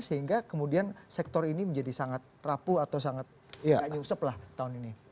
sehingga kemudian sektor ini menjadi sangat rapuh atau sangat tidak nyusep lah tahun ini